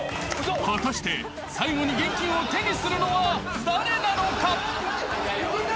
［果たして最後に現金を手にするのは誰なのか？］